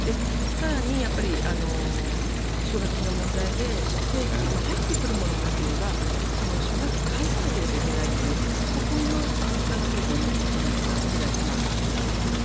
更に、奨学金の問題で入ってくるものもなければ奨学金で返さなければいけないというここの負担がすごく重くなった世代でもあると思っています。